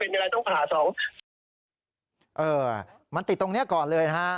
เออมันติดตรงนี้ก่อนเลย